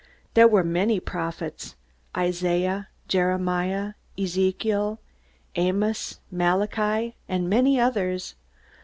There were many prophets Isaiah, Jeremiah, Ezekiel, Amos, Malachi, and many others.